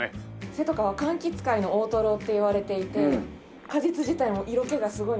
せとかは柑橘界の大トロっていわれていて果実自体も色気がすごいんです。